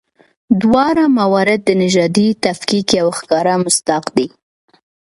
دواړه موارد د نژادي تفکیک یو ښکاره مصداق دي.